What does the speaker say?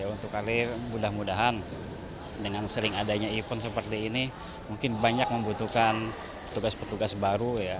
untuk kalir mudah mudahan dengan sering adanya event seperti ini mungkin banyak membutuhkan tugas petugas baru ya